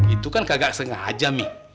itu kan kagak sengaja nih